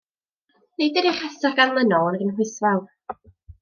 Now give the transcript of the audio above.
Nid ydy'r rhestr ganlynol yn gynhwysfawr.